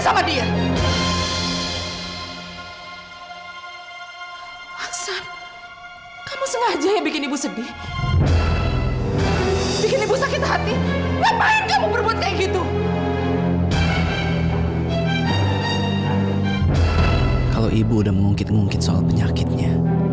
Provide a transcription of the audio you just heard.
sampai jumpa di video selanjutnya